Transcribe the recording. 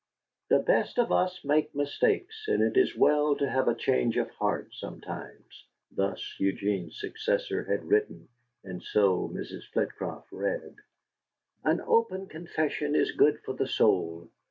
"'The best of us make mistakes, and it is well to have a change of heart sometimes.'" (Thus Eugene's successor had written, and so Mrs. Flitcroft read.) "'An open confession is good for the soul.